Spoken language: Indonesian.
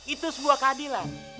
itu sebuah keadilan